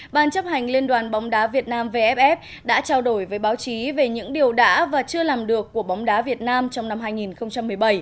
ban chấp hành liên đoàn bóng đá việt nam vff đã trao đổi với báo chí về những điều đã và chưa làm được của bóng đá việt nam trong năm hai nghìn một mươi bảy